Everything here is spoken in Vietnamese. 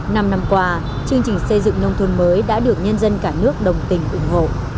năm năm qua chương trình xây dựng nông thôn mới đã được nhân dân cả nước đồng tình